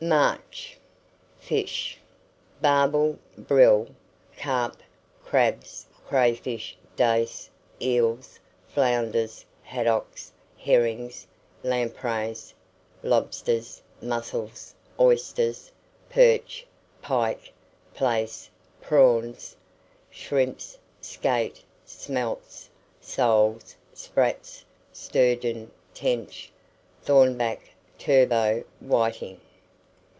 MARCH. FISH. Barbel, brill, carp, crabs, crayfish, dace, eels, flounders, haddocks, herrings, lampreys, lobsters, mussels, oysters, perch, pike, plaice, prawns, shrimps, skate, smelts, soles, sprats, sturgeon, tench, thornback, turbot, whiting.